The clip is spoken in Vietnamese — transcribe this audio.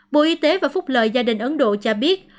bộ y tế và phúc lợi gia đình ấn độ cho biết